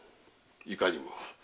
いかにも。